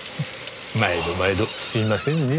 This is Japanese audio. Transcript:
毎度毎度すいませんねぇ。